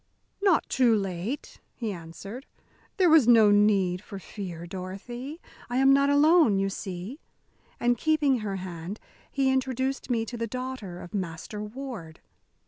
"Not too late," he answered; "there was no need for fear, Dorothy. I am not alone, you see." And keeping her hand, he introduced me to the daughter of Master Ward.